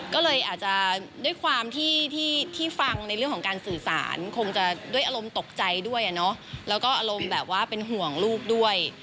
ก็เลยอาจจะด้วยความที่ฟังในเรื่องของการสื่อสารคงจะด้วยอารมณ์ตกใจด้วยแล้วก็อารมณ์แบบว่าเป็นห่วงลูกด้วย